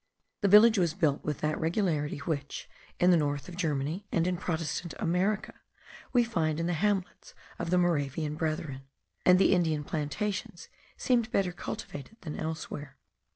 The village was built with that regularity which, in the north of Germany, and in protestant America, we find in the hamlets of the Moravian brethren; and the Indian plantations seemed better cultivated than elsewhere.